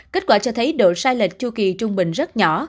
kết quả cho thấy độ sai lệch chu kỳ trung bình rất nhỏ